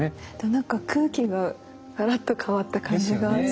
なんか空気がガラッと変わった感じがしますね。